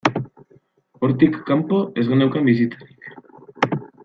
Hortik kanpo, ez geneukan bizitzarik.